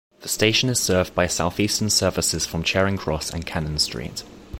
The station is served by Southeastern services from Charing Cross and Cannon Street.